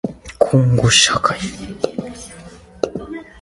こんごしゃかい